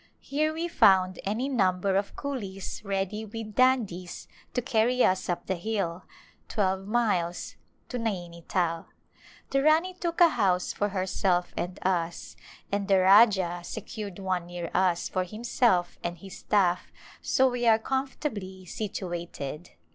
Here we found In the Mountains any number of coolies ready with dandis to carry us up the hill — twelve miles — to Naini Tal, The Rani took a house for herself and us, and the Rajah secured one near us for himself and his staff, so we are comfortably situated.